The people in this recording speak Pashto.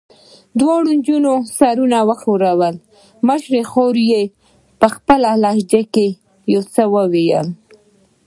دواړو نجونو سرونه وښورول، مشرې خور یې په خپله لهجه کې یو څه وویل.